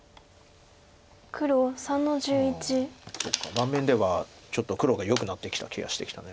盤面ではちょっと黒がよくなってきた気がしてきた。